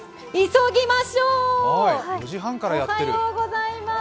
急ぎましょう。